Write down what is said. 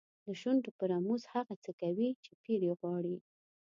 د شونډو په رموز هغه څه کوي چې پیر یې غواړي.